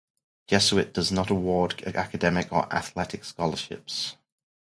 Jesuit does not award academic or athletic scholarships.